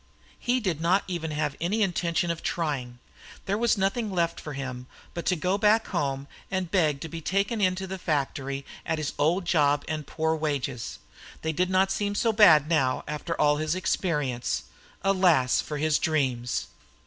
He did not even have any intention of trying. There was nothing left for him but to go back home and beg to be taken into the factory at his old job and poor wages. They did not seem so bad now, after all his experience. Alas for his dreams!